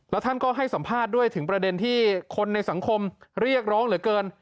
แล้วท่านก็ให้สัมภาษณ์ด้วยถึงประเด็นที่คนในสังคมเรียกร้องเหลือเกิน